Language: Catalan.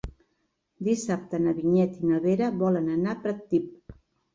Dissabte na Vinyet i na Vera volen anar a Pratdip.